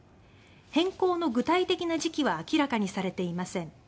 変更の具体的な時期は明らかにされていません。